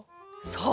そう。